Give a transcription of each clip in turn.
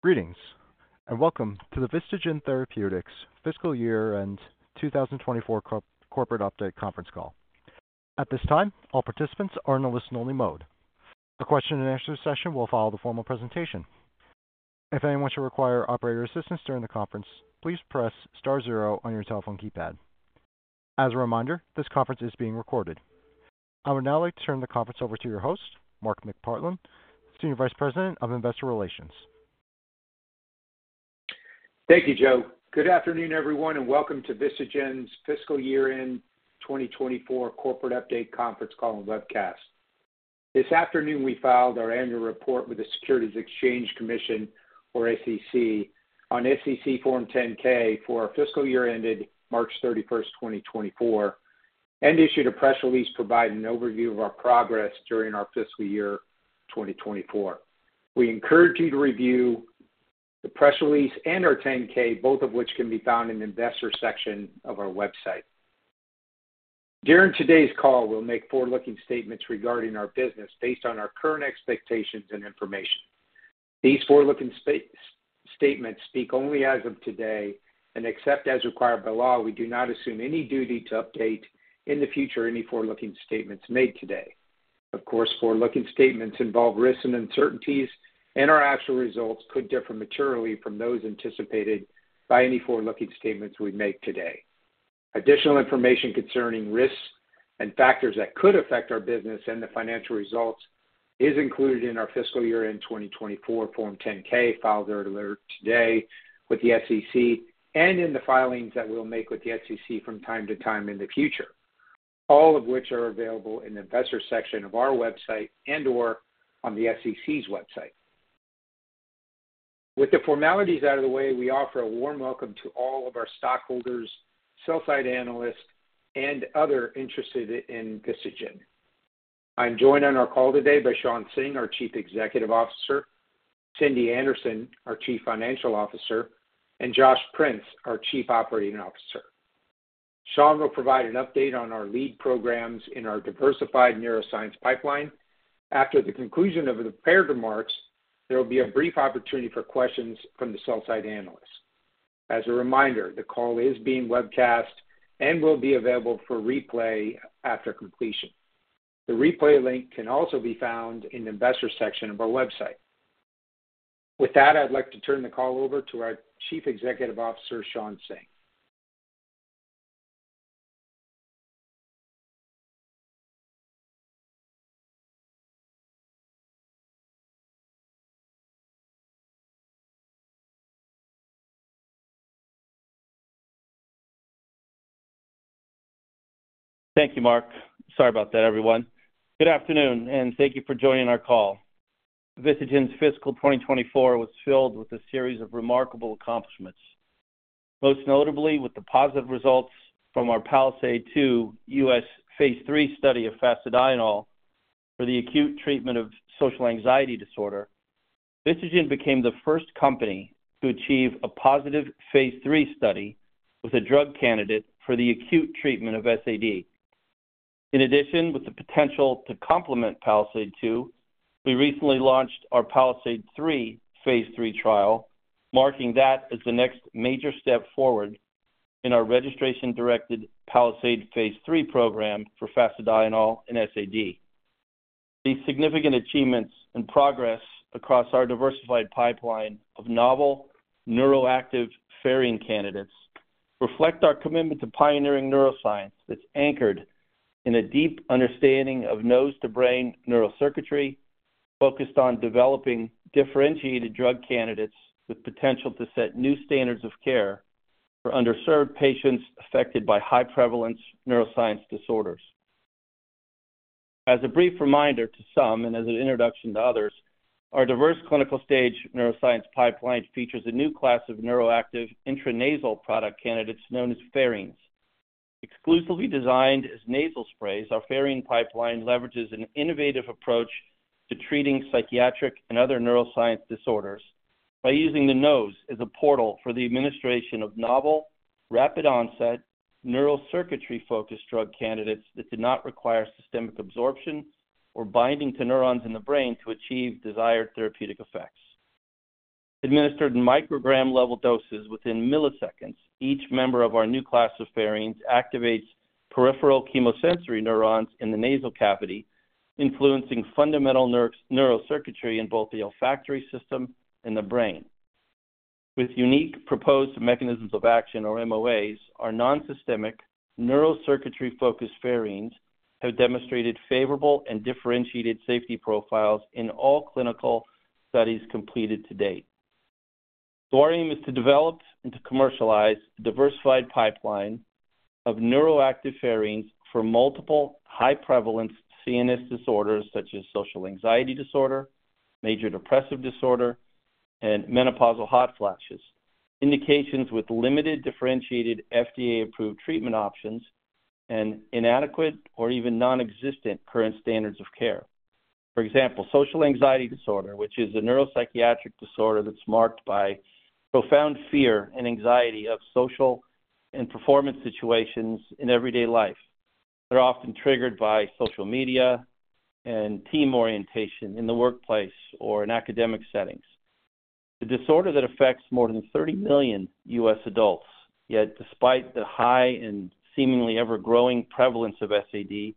Greetings and welcome to the Vistagen Therapeutics fiscal year-end 2024 corporate update conference call. At this time, all participants are in a listen-only mode. The question-and-answer session will follow the formal presentation. If anyone should require operator assistance during the conference, please press star zero on your telephone keypad. As a reminder, this conference is being recorded. I would now like to turn the conference over to your host, Mark McPartland, Senior Vice President of Investor Relations. Thank you, Joe. Good afternoon, everyone, and welcome to Vistagen's fiscal year-end 2024 corporate update conference call and webcast. This afternoon, we filed our annual report with the Securities and Exchange Commission, or SEC, on SEC Form 10-K for our fiscal year ended March 31st, 2024, and issued a press release providing an overview of our progress during our fiscal year 2024. We encourage you to review the press release and our 10-K, both of which can be found in the investor section of our website. During today's call, we'll make forward-looking statements regarding our business based on our current expectations and information. These forward-looking statements speak only as of today and, except as required by law, we do not assume any duty to update in the future any forward-looking statements made today. Of course, forward-looking statements involve risks and uncertainties, and our actual results could differ materially from those anticipated by any forward-looking statements we make today. Additional information concerning risks and factors that could affect our business and the financial results is included in our fiscal year-end 2024 Form 10-K filed earlier today with the SEC and in the filings that we'll make with the SEC from time to time in the future, all of which are available in the investor section of our website and/or on the SEC's website. With the formalities out of the way, we offer a warm welcome to all of our stockholders, sell-side analysts, and others interested in Vistagen. I'm joined on our call today by Shawn Singh, our Chief Executive Officer; Cindy Anderson, our Chief Financial Officer; and Josh Prince, our Chief Operating Officer. Shawn will provide an update on our lead programs in our diversified neuroscience pipeline. After the conclusion of the prepared remarks, there will be a brief opportunity for questions from the sell-side analysts. As a reminder, the call is being webcast and will be available for replay after completion. The replay link can also be found in the investor section of our website. With that, I'd like to turn the call over to our Chief Executive Officer, Shawn Singh. Thank you, Mark. Sorry about that, everyone. Good afternoon, and thank you for joining our call. Vistagen's fiscal 2024 was filled with a series of remarkable accomplishments, most notably with the positive results from our PALISADE-2 U.S. Phase III study of fasedienol for the acute treatment of social anxiety disorder. Vistagen became the first company to achieve a positive Phase III study with a drug candidate for the acute treatment of SAD. In addition, with the potential to complement PALISADE-2, we recently launched our PALISADE-3 Phase III trial, marking that as the next major step forward in our registration-directed PALISADE Phase III program for fasedienol and SAD. These significant achievements and progress across our diversified pipeline of novel neuroactive pherine candidates reflect our commitment to pioneering neuroscience that's anchored in a deep understanding of nose-to-brain neurocircuitry, focused on developing differentiated drug candidates with potential to set new standards of care for underserved patients affected by high-prevalence neuroscience disorders. As a brief reminder to some and as an introduction to others, our diverse clinical stage neuroscience pipeline features a new class of neuroactive intranasal product candidates known as pherines. Exclusively designed as nasal sprays, our pherine pipeline leverages an innovative approach to treating psychiatric and other neuroscience disorders by using the nose as a portal for the administration of novel, rapid-onset, neurocircuitry-focused drug candidates that do not require systemic absorption or binding to neurons in the brain to achieve desired therapeutic effects. Administered in microgram-level doses within milliseconds, each member of our new class of pherines activates peripheral chemosensory neurons in the nasal cavity, influencing fundamental neurocircuitry in both the olfactory system and the brain. With unique proposed mechanisms of action, or MOAs, our non-systemic neurocircuitry-focused pherines have demonstrated favorable and differentiated safety profiles in all clinical studies completed to date. Our aim is to develop and to commercialize a diversified pipeline of neuroactive pherines for multiple high-prevalence CNS disorders such as social anxiety disorder, major depressive disorder, and menopausal hot flashes, indications with limited differentiated FDA-approved treatment options and inadequate or even non-existent current standards of care. For example, social anxiety disorder, which is a neuropsychiatric disorder that's marked by profound fear and anxiety of social and performance situations in everyday life, is often triggered by social media and team orientation in the workplace or in academic settings. The disorder that affects more than 30 million U.S. adults, yet despite the high and seemingly ever-growing prevalence of SAD,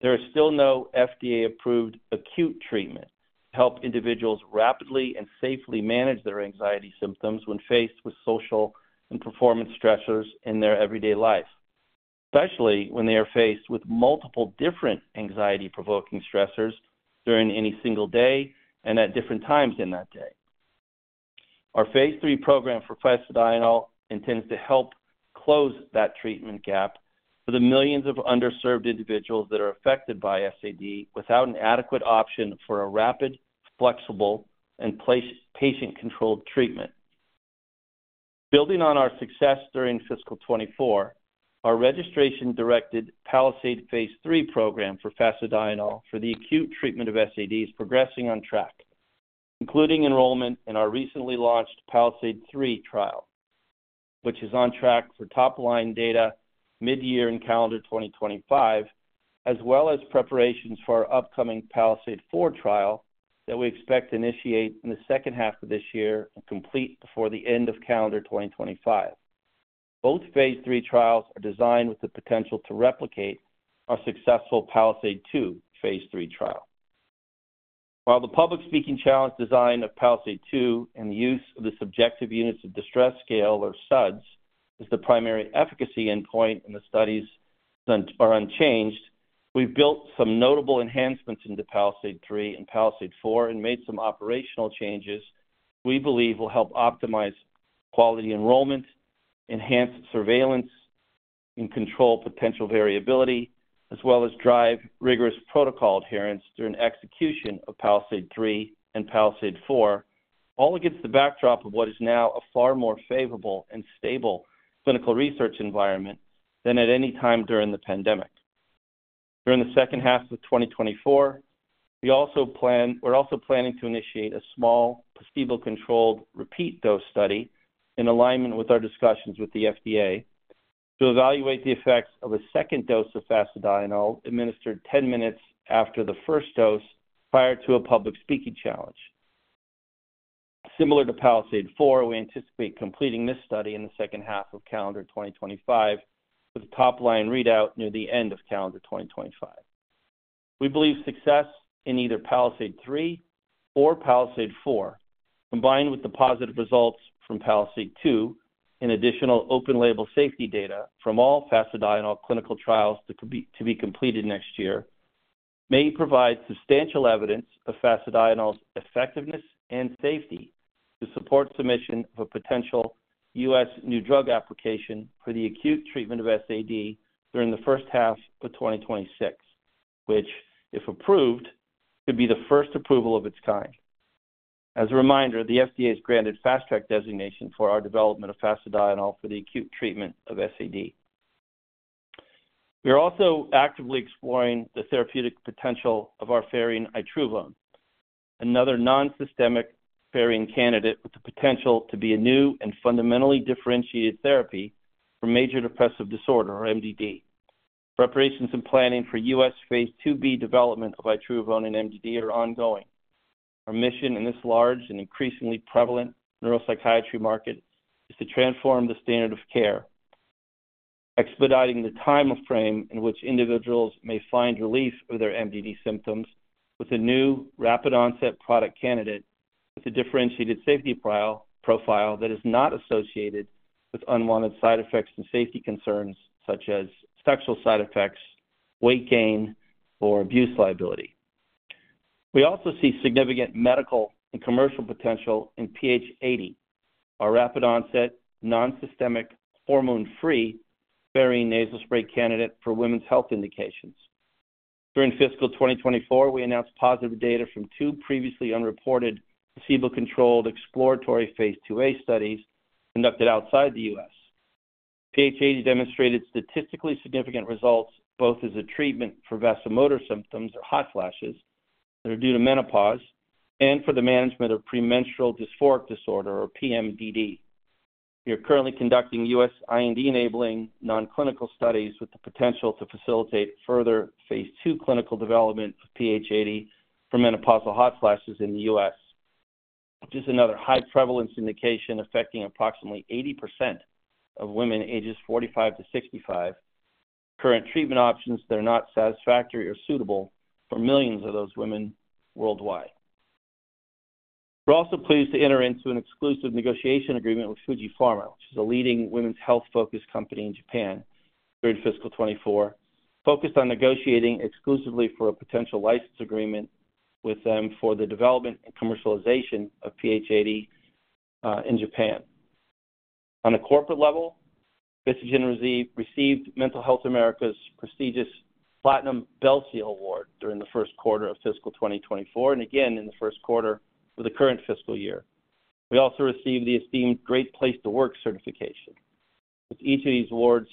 there is still no FDA-approved acute treatment to help individuals rapidly and safely manage their anxiety symptoms when faced with social and performance stressors in their everyday life, especially when they are faced with multiple different anxiety-provoking stressors during any single day and at different times in that day. Our Phase III program for fasedienol intends to help close that treatment gap for the millions of underserved individuals that are affected by SAD without an adequate option for a rapid, flexible, and patient-controlled treatment. Building on our success during fiscal 2024, our registration-directed PALISADE Phase III program for fasedienol for the acute treatment of SAD is progressing on track, including enrollment in our recently launched PALISADE-3 trial, which is on track for top-line data mid-year in calendar 2025, as well as preparations for our upcoming PALISADE-4 trial that we expect to initiate in the second half of this year and complete before the end of calendar 2025. Both Phase III trials are designed with the potential to replicate our successful PALISADE-2 Phase III trial. While the public speaking challenge design of PALISADE-2 and the use of the Subjective Units of Distress Scale, or SUDS, is the primary efficacy endpoint and the studies are unchanged. We've built some notable enhancements into PALISADE-3 and PALISADE-4 and made some operational changes we believe will help optimize quality enrollment, enhance surveillance, and control potential variability, as well as drive rigorous protocol adherence during execution of PALISADE-3 and PALISADE-4, all against the backdrop of what is now a far more favorable and stable clinical research environment than at any time during the pandemic. During the second half of 2024, we're also planning to initiate a small placebo-controlled repeat dose study in alignment with our discussions with the FDA to evaluate the effects of a second dose of fasedienol administered 10 minutes after the first dose prior to a public speaking challenge. Similar to PALISADE-4, we anticipate completing this study in the second half of calendar 2025 with a top-line readout near the end of calendar 2025. We believe success in either PALISADE-3 or PALISADE-4, combined with the positive results from PALISADE-2 and additional open-label safety data from all fasedienol clinical trials to be completed next year, may provide substantial evidence of fasedienol's effectiveness and safety to support submission of a potential U.S. new drug application for the acute treatment of SAD during the first half of 2026, which, if approved, could be the first approval of its kind. As a reminder, the FDA has granted Fast Track designation for our development of fasedienol for the acute treatment of SAD. We are also actively exploring the therapeutic potential of our pherine itruvone, another non-systemic pherine candidate with the potential to be a new and fundamentally differentiated therapy for major depressive disorder, or MDD. Preparations and planning for U.S. Phase IIB development of itruvone and MDD are ongoing. Our mission in this large and increasingly prevalent neuropsychiatry market is to transform the standard of care, expediting the time frame in which individuals may find relief of their MDD symptoms with a new, rapid-onset product candidate with a differentiated safety profile that is not associated with unwanted side effects and safety concerns such as sexual side effects, weight gain, or abuse liability. We also see significant medical and commercial potential in PH80, our rapid-onset, non-systemic, hormone-free pherine nasal spray candidate for women's health indications. During fiscal 2024, we announced positive data from two previously unreported placebo-controlled exploratory phase IIA studies conducted outside the U.S. PH80 demonstrated statistically significant results both as a treatment for vasomotor symptoms or hot flashes that are due to menopause and for the management of premenstrual dysphoric disorder, or PMDD. We are currently conducting U.S. IND-enabling non-clinical studies with the potential to facilitate further phase II clinical development of PH80 for menopausal hot flashes in the U.S., which is another high-prevalence indication affecting approximately 80% of women ages 45-65 with current treatment options that are not satisfactory or suitable for millions of those women worldwide. We're also pleased to enter into an exclusive negotiation agreement with Fuji Pharma, which is a leading women's health-focused company in Japan during fiscal 2024, focused on negotiating exclusively for a potential license agreement with them for the development and commercialization of PH80 in Japan. On a corporate level, Vistagen received Mental Health America's prestigious Platinum Bell Seal Award during the first quarter of fiscal 2024 and again in the first quarter of the current fiscal year. We also received the esteemed Great Place to Work certification, with each of these awards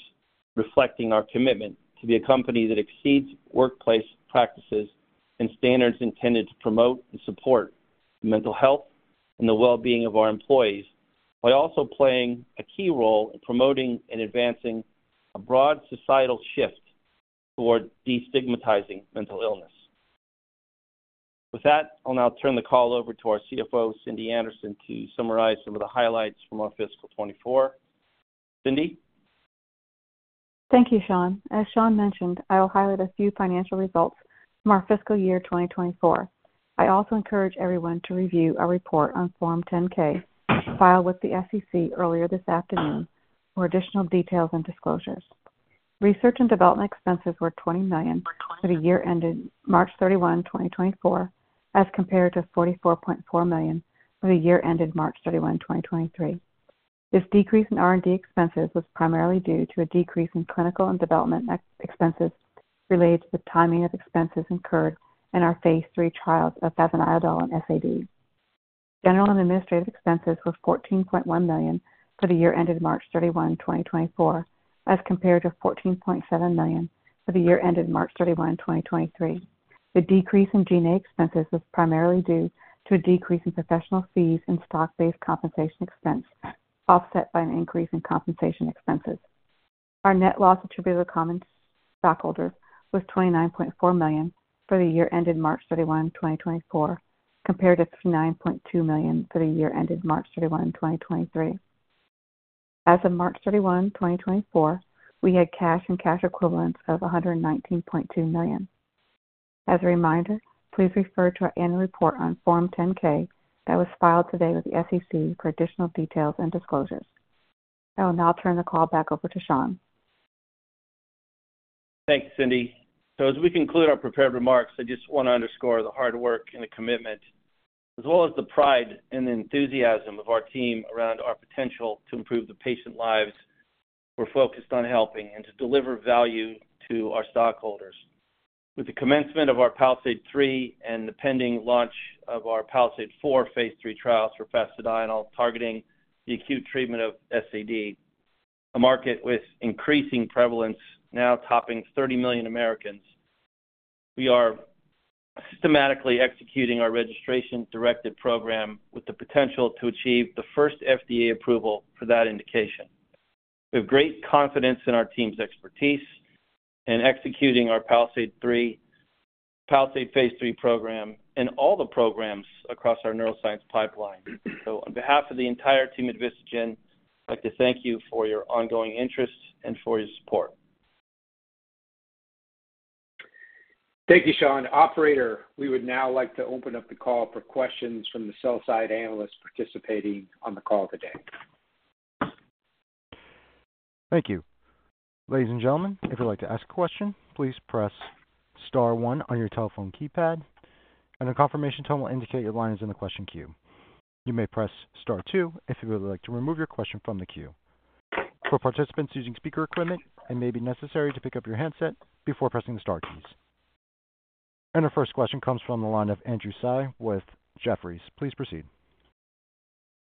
reflecting our commitment to be a company that exceeds workplace practices and standards intended to promote and support mental health and the well-being of our employees while also playing a key role in promoting and advancing a broad societal shift toward destigmatizing mental illness. With that, I'll now turn the call over to our CFO, Cindy Anderson, to summarize some of the highlights from our fiscal 2024. Cindy? Thank you, Shawn. As Shawn mentioned, I'll highlight a few financial results from our fiscal year 2024. I also encourage everyone to review our report on Form 10-K filed with the SEC earlier this afternoon for additional details and disclosures. Research and development expenses were $20 million for the year ended March 31, 2024, as compared to $44.4 million for the year ended March 31, 2023. This decrease in R&D expenses was primarily due to a decrease in clinical and development expenses related to the timing of expenses incurred in our Phase III trials of fasedienol and SAD. General and administrative expenses were $14.1 million for the year ended March 31, 2024, as compared to $14.7 million for the year ended March 31, 2023. The decrease in G&A expenses was primarily due to a decrease in professional fees and stock-based compensation expense, offset by an increase in compensation expenses. Our net loss attributable to common stockholders was $29.4 million for the year ended March 31, 2024, compared to $59.2 million for the year ended March 31, 2023. As of March 31, 2024, we had cash and cash equivalents of $119.2 million. As a reminder, please refer to our annual report on Form 10-K that was filed today with the SEC for additional details and disclosures. I will now turn the call back over to Shawn. Thank you, Cindy. So as we conclude our prepared remarks, I just want to underscore the hard work and the commitment, as well as the pride and the enthusiasm of our team around our potential to improve the patient lives who are focused on helping and to deliver value to our stockholders. With the commencement of our PALISADE-3 and the pending launch of our PALISADE-4 Phase III trials for fasedienol targeting the acute treatment of SAD, a market with increasing prevalence now topping 30 million Americans, we are systematically executing our registration-directed program with the potential to achieve the first FDA approval for that indication. We have great confidence in our team's expertise in executing our PALISADE-3, PALISADE Phase III program, and all the programs across our neuroscience pipeline. On behalf of the entire team at Vistagen, I'd like to thank you for your ongoing interest and for your support. Thank you, Shawn. Operator, we would now like to open up the call for questions from the sell-side analysts participating on the call today. Thank you. Ladies and gentlemen, if you'd like to ask a question, please press star one on your telephone keypad, and a confirmation tone will indicate your line is in the question queue. You may press star two if you would like to remove your question from the queue. For participants using speaker equipment, it may be necessary to pick up your handset before pressing the star keys. Our first question comes from the line of Andrew Tsai with Jefferies. Please proceed.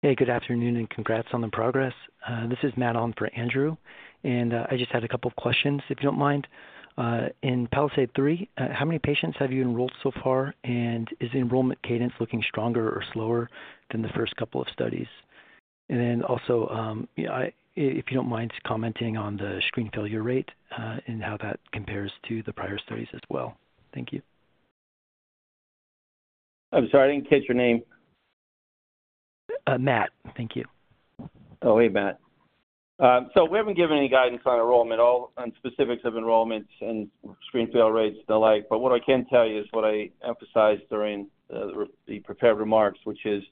Hey, good afternoon and congrats on the progress. This is Matt on for Andrew, and I just had a couple of questions, if you don't mind. In PALISADE-3, how many patients have you enrolled so far, and is the enrollment cadence looking stronger or slower than the first couple of studies? Then also, if you don't mind commenting on the screen failure rate and how that compares to the prior studies as well. Thank you. I'm sorry, I didn't catch your name. Matt, thank you. Oh, hey, Matt. So we haven't given any guidance on enrollment at all, on specifics of enrollments and screen fail rates and the like, but what I can tell you is what I emphasized during the prepared remarks, which is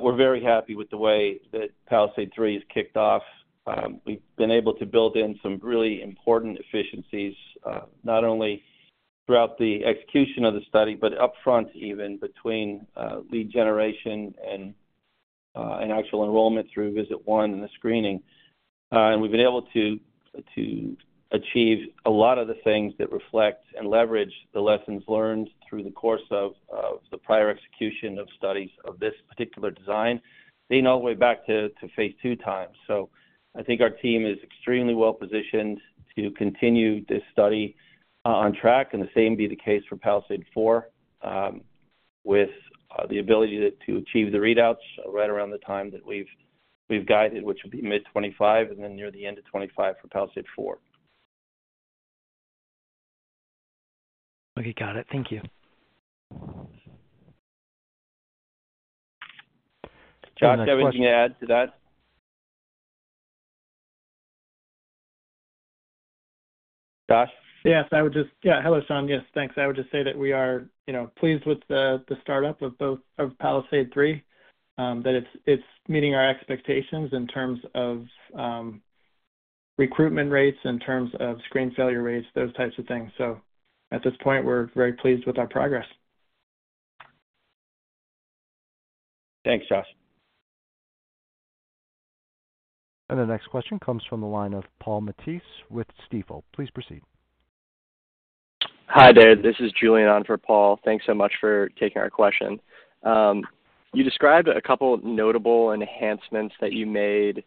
we're very happy with the way that PALISADE-3 has kicked off. We've been able to build in some really important efficiencies not only throughout the execution of the study, but upfront even between lead generation and actual enrollment through Visit 1 and the screening. We've been able to achieve a lot of the things that reflect and leverage the lessons learned through the course of the prior execution of studies of this particular design leading all the way back to Phase II time. I think our team is extremely well-positioned to continue this study on track, and the same be the case for PALISADE-4 with the ability to achieve the readouts right around the time that we've guided, which would be mid-2025 and then near the end of 2025 for PALISADE-4. Okay, got it. Thank you. Josh, anything to add to that? Josh? Yes, hello, Shawn. Yes, thanks. I would just say that we are pleased with the startup of PALISADE-3, that it's meeting our expectations in terms of recruitment rates, in terms of screen failure rates, those types of things. So at this point, we're very pleased with our progress. Thanks, Josh. The next question comes from the line of Paul Matteis with Stifel. Please proceed. Hi, there. This is Julian on for Paul. Thanks so much for taking our question. You described a couple of notable enhancements that you made,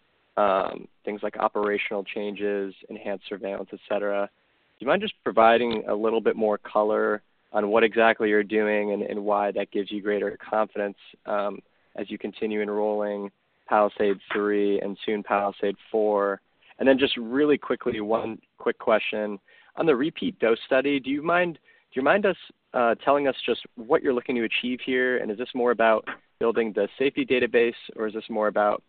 things like operational changes, enhanced surveillance, etc. Do you mind just providing a little bit more color on what exactly you're doing and why that gives you greater confidence as you continue enrolling PALISADE-3 and soon PALISADE-4? Then just really quickly, one quick question. On the repeat dose study, do you mind telling us just what you're looking to achieve here, and is this more about building the safety database, or is this more about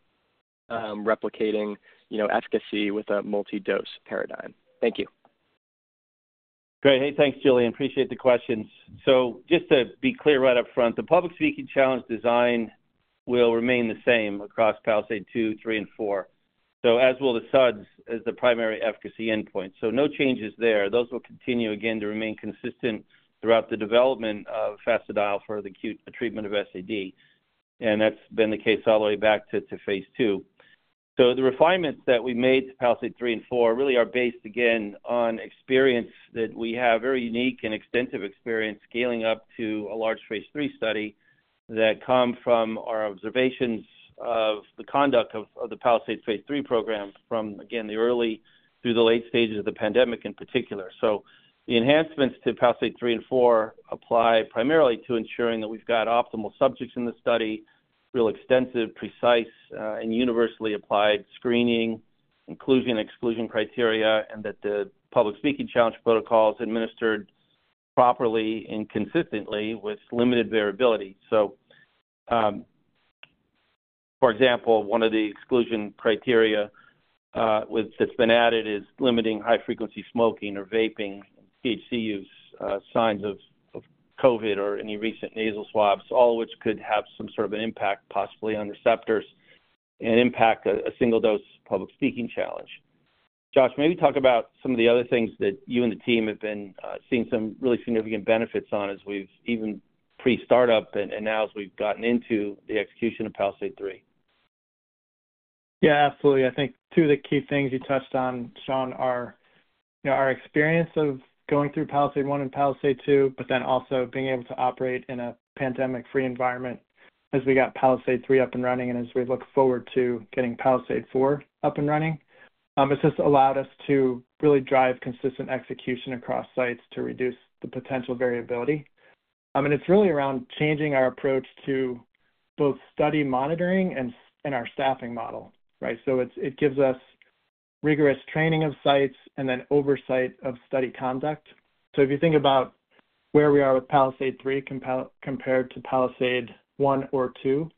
replicating efficacy with a multi-dose paradigm? Thank you. Great. Hey, thanks, Julian. Appreciate the questions. So just to be clear right up front, the public speaking challenge design will remain the same across PALISADE-2, 3, and 4, so as will the SUDS as the primary efficacy endpoint. So no changes there. Those will continue again to remain consistent throughout the development of fasedienol for the acute treatment of SAD, and that's been the case all the way back to Phase II. So the refinements that we made to PALISADE-3 and 4 really are based, again, on experience that we have, very unique and extensive experience scaling up to a large Phase III study, that come from our observations of the conduct of the PALISADE-3 program from, again, the early through the late stages of the pandemic in particular. So the enhancements to PALISADE-3 and PALISADE-4 apply primarily to ensuring that we've got optimal subjects in the study, real extensive, precise, and universally applied screening, inclusion and exclusion criteria, and that the public speaking challenge protocols administered properly and consistently with limited variability. So, for example, one of the exclusion criteria that's been added is limiting high-frequency smoking or vaping, THC use, signs of COVID, or any recent nasal swabs, all of which could have some sort of an impact possibly on receptors and impact a single-dose public speaking challenge. Josh, maybe talk about some of the other things that you and the team have been seeing some really significant benefits on as we've even pre-startup and now as we've gotten into the execution of PALISADE-3. Yeah, absolutely. I think two of the key things you touched on, Shawn, are our experience of going through PALISADE-1 and PALISADE-2, but then also being able to operate in a pandemic-free environment as we got PALISADE-3 up and running and as we look forward to getting PALISADE-4 up and running. It's just allowed us to really drive consistent execution across sites to reduce the potential variability and it's really around changing our approach to both study monitoring and our staffing model, right? So it gives us rigorous training of sites and then oversight of study conduct. So if you think about where we are with PALISADE-3 compared to PALISADE-1 or 2,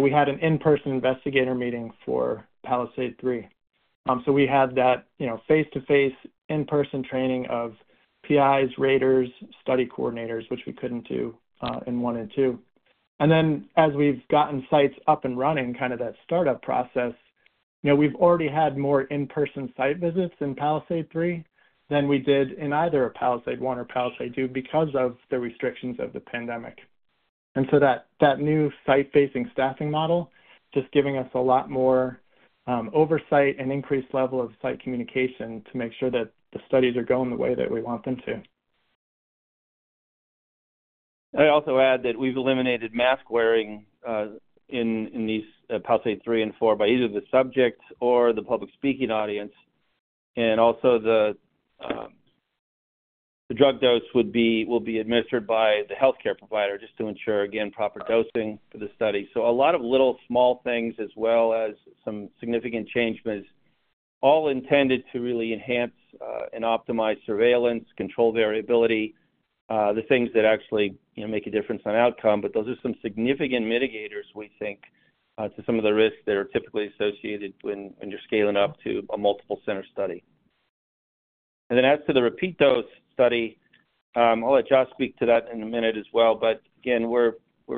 we had an in-person investigator meeting for PALISADE-3. So we had that face-to-face in-person training of PIs, raters, study coordinators, which we couldn't do in 1 and 2. Then as we've gotten sites up and running, kind of that startup process, we've already had more in-person site visits in PALISADE-3 than we did in either PALISADE-1 or PALISADE-2 because of the restrictions of the pandemic. So that new site-facing staffing model is just giving us a lot more oversight and increased level of site communication to make sure that the studies are going the way that we want them to. I also add that we've eliminated mask-wearing in these PALISADE-3 and 4 by either the subject or the public speaking audience. Also the drug dose will be administered by the healthcare provider just to ensure, again, proper dosing for the study. So a lot of little small things as well as some significant changes all intended to really enhance and optimize surveillance, control variability, the things that actually make a difference on outcome, but those are some significant mitigators, we think, to some of the risks that are typically associated when you're scaling up to a multiple-center study. Then as to the repeat dose study, I'll let Josh speak to that in a minute as well. But again, we're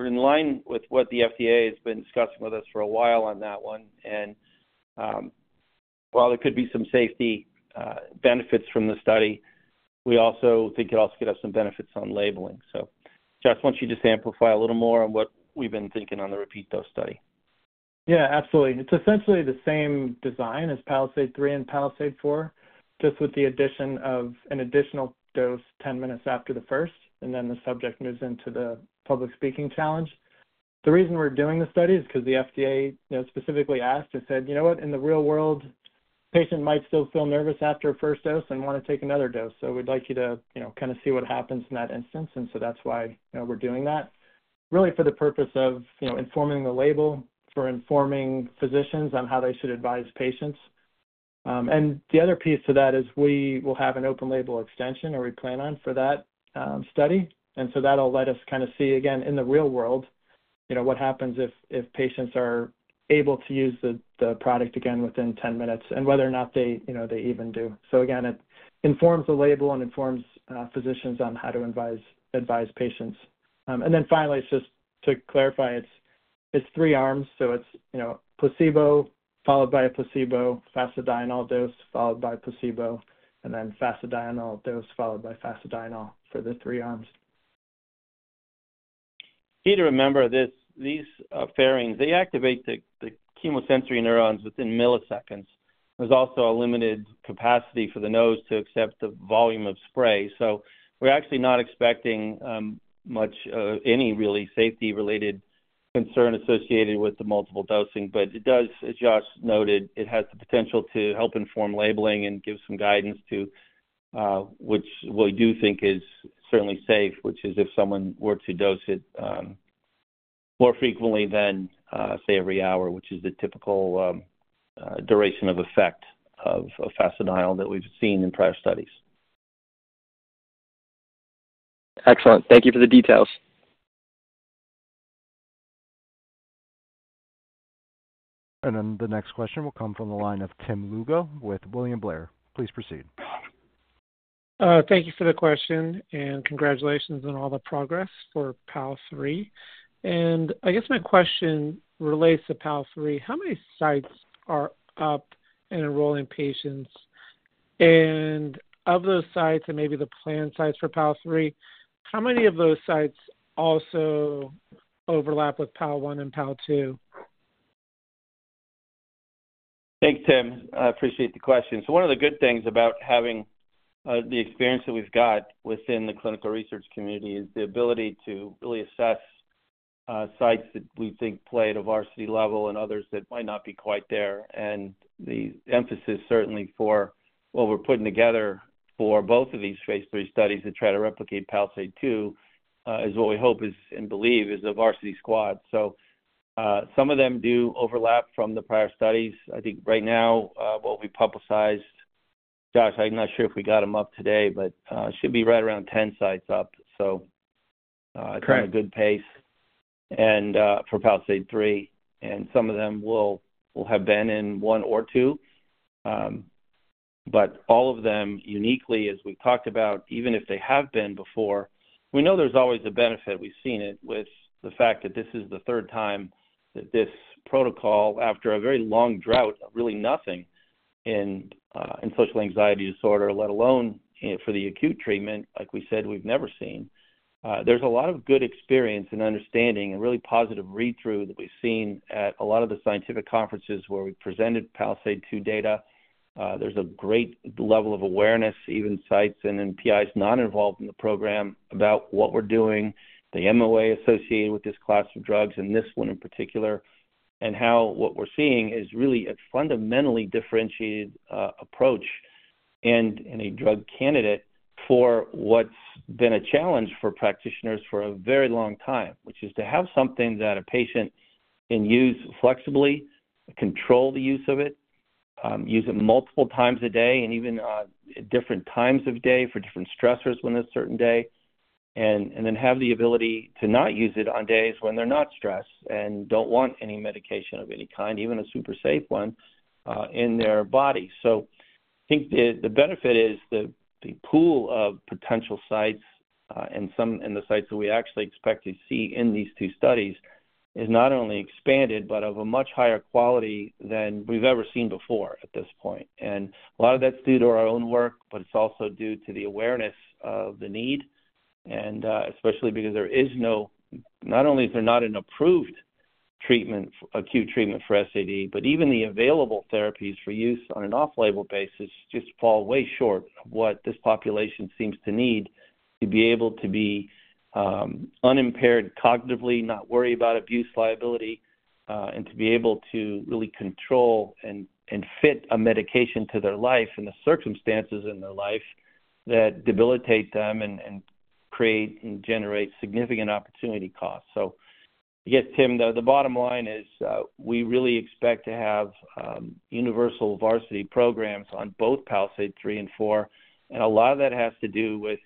in line with what the FDA has been discussing with us for a while on that one. While there could be some safety benefits from the study, we also think it also could have some benefits on labeling. So Josh, why don't you just amplify a little more on what we've been thinking on the repeat dose study? Yeah, absolutely. It's essentially the same design as PALISADE-3 and PALISADE-4, just with the addition of an additional dose 10 minutes after the first, and then the subject moves into the public speaking challenge. The reason we're doing the study is because the FDA specifically asked and said, "You know what? In the real world, a patient might still feel nervous after a first dose and want to take another dose. So we'd like you to kind of see what happens in that instance." So that's why we're doing that, really for the purpose of informing the label for informing physicians on how they should advise patients and the other piece to that is we will have an open label extension or we plan on for that study. So that'll let us kind of see, again, in the real world, what happens if patients are able to use the product again within 10 minutes and whether or not they even do. So again, it informs the label and informs physicians on how to advise patients. Then finally, just to clarify, it's three arms. So it's placebo followed by a placebo, fasted INR dose followed by placebo, and then fasted INR dose followed by fasted INR for the three arms. You need to remember these pherines, they activate the chemosensory neurons within milliseconds. There's also a limited capacity for the nose to accept the volume of spray. So we're actually not expecting much, any really safety-related concern associated with the multiple dosing. But it does, as Josh noted, it has the potential to help inform labeling and give some guidance to which we do think is certainly safe, which is if someone were to dose it more frequently than, say, every hour, which is the typical duration of effect of fasedienol that we've seen in prior studies. Excellent. Thank you for the details. The next question will come from the line of Tim Lugo with William Blair. Please proceed. Thank you for the question, and congratulations on all the progress for PALISADE-3. I guess my question relates to PALISADE-3. How many sites are up and enrolling patients and of those sites, and maybe the planned sites for PALISADE-3, how many of those sites also overlap with PALISADE-1 and PALISADE-2? Thanks, Tim. I appreciate the question. One of the good things about having the experience that we've got within the clinical research community is the ability to really assess sites that we think play at a varsity level and others that might not be quite there. The emphasis certainly for what we're putting together for both of these Phase III studies to try to replicate PALISADE-2 is what we hope and believe is a varsity squad. Some of them do overlap from the prior studies. I think right now, what we publicized, Josh, I'm not sure if we got them up today, but it should be right around 10 sites up. It's on a good pace for PALISADE-3. Some of them will have been in one or two. But all of them, uniquely, as we've talked about, even if they have been before, we know there's always a benefit. We've seen it with the fact that this is the third time that this protocol, after a very long drought of really nothing in social anxiety disorder, let alone for the acute treatment, like we said we've never seen. There's a lot of good experience and understanding and really positive read-through that we've seen at a lot of the scientific conferences where we've presented PALISADE-2 data. There's a great level of awareness, even sites and PIs not involved in the program, about what we're doing, the MOA associated with this class of drugs and this one in particular, and how what we're seeing is really a fundamentally differentiated approach and a drug candidate for what's been a challenge for practitioners for a very long time. Which is to have something that a patient can use flexibly, control the use of it, use it multiple times a day and even at different times of day for different stressors on a certain day, and then have the ability to not use it on days when they're not stressed and don't want any medication of any kind, even a super safe one, in their body. I think the benefit is the pool of potential sites and the sites that we actually expect to see in these two studies is not only expanded, but of a much higher quality than we've ever seen before at this point. A lot of that's due to our own work, but it's also due to the awareness of the need, and especially because there is no—not only is there not an approved acute treatment for SAD, but even the available therapies for use on an off-label basis just fall way short of what this population seems to need to be able to be unimpaired cognitively, not worry about abuse liability, and to be able to really control and fit a medication to their life and the circumstances in their life that debilitate them and create and generate significant opportunity costs. So I guess, Tim, the bottom line is we really expect to have universal varsity programs on both PALISADE-3 and PALISADE-4 and a lot of that has to do with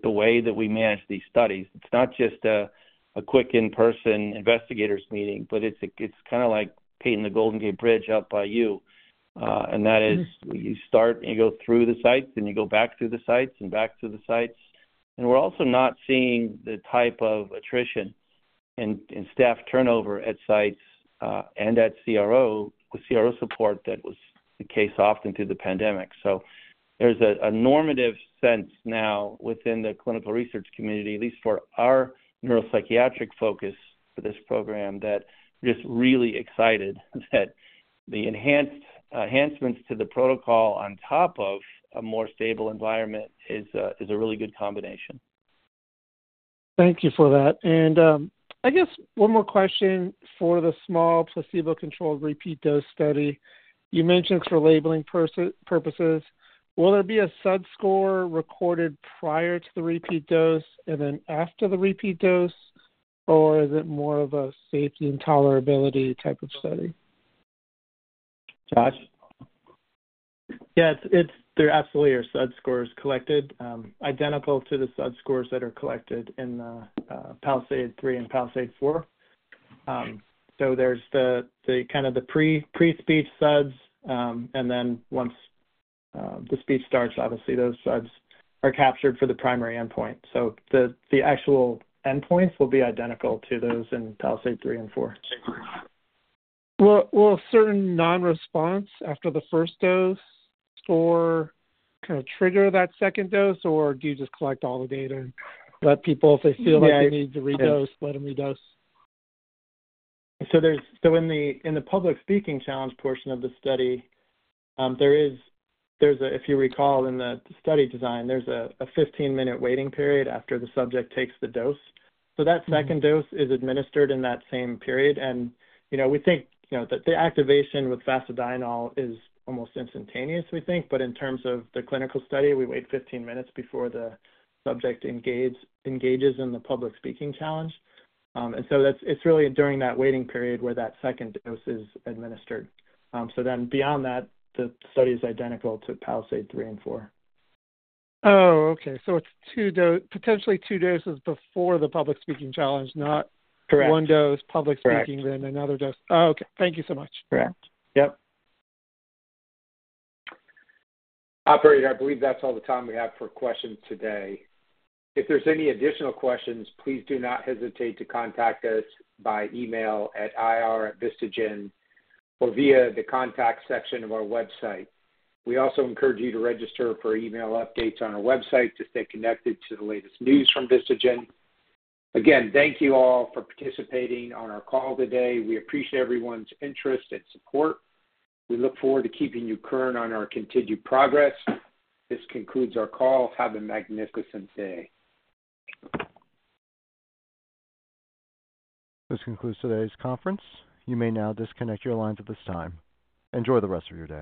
the way that we manage these studies. It's not just a quick in-person investigators meeting, but it's kind of like painting the Golden Gate Bridge up by you. That is you start and you go through the sites, and you go back through the sites and back through the sites. We're also not seeing the type of attrition and staff turnover at sites and at CRO with CRO support that was the case often through the pandemic. There's a normative sense now within the clinical research community, at least for our neuropsychiatric focus for this program, that we're just really excited that the enhancements to the protocol on top of a more stable environment is a really good combination. Thank you for that. I guess one more question for the small placebo-controlled repeat dose study. You mentioned it's for labeling purposes. Will there be a SUDS score recorded prior to the repeat dose and then after the repeat dose, or is it more of a safety and tolerability type of study? Josh? Yeah, there absolutely are SUDS scores collected, identical to the SUDS scores that are collected in PALISADE-3 and PALISADE-4. So there's kind of the pre-speech SUDS, and then once the speech starts, obviously, those SUDS are captured for the primary endpoint. So the actual endpoints will be identical to those in PALISADE-3 and 4. Will a certain nonresponse after the first dose score kind of trigger that second dose, or do you just collect all the data and let people, if they feel like they need to redose, let them redose? So in the public speaking challenge portion of the study, there is, if you recall, in the study design, there's a 15-minute waiting period after the subject takes the dose. So that second dose is administered in that same period and we think that the activation with fasedienol is almost instantaneous, we think. But in terms of the clinical study, we wait 15 minutes before the subject engages in the public speaking challenge. So it's really during that waiting period where that second dose is administered. So then beyond that, the study is identical to PALISADE-3 and 4. Oh, okay. So it's potentially two doses before the public speaking challenge, not one dose public speaking, then another dose. Correct. Oh, okay. Thank you so much. Correct. Yep. Operator, I believe that's all the time we have for questions today. If there's any additional questions, please do not hesitate to contact us by email at ir@vistagen or via the contact section of our website. We also encourage you to register for email updates on our website to stay connected to the latest news from Vistagen. Again, thank you all for participating on our call today. We appreciate everyone's interest and support. We look forward to keeping you current on our continued progress. This concludes our call. Have a magnificent day. This concludes today's conference. You may now disconnect your lines at this time. Enjoy the rest of your day.